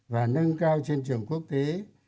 và nâng cao trên trường quốc tế